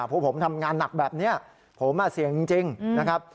พวกผมทำงานหนักแบบนี้ผมเสี่ยงจริงนะครับ